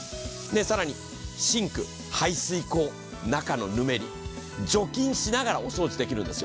更にシンク、排水溝、中のぬめり、除菌しながらお掃除できるんですよ。